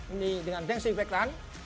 ini dengan desinfektan